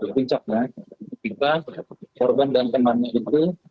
pincapnya kita korban dan temannya itu